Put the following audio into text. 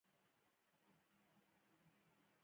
سولر انرژي پاکه انرژي ده.